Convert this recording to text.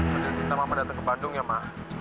fadil minta mama datang ke bandung ya ma